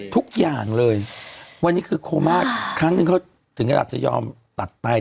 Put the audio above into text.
ทุกอย่างเลยวันนี้คือโคม่าครั้งหนึ่งเขาถึงขนาดจะยอมตัดไต